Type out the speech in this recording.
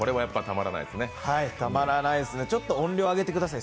たまらないすね、ちょっと音量上げてください。